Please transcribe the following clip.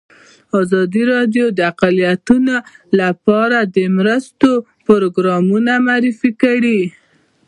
ازادي راډیو د اقلیتونه لپاره د مرستو پروګرامونه معرفي کړي.